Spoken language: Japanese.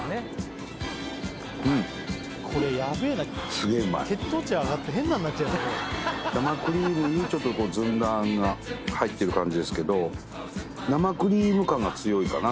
すげえうまい生クリームにちょっとこうずんだ餡が入ってる感じですけど生クリーム感が強いかな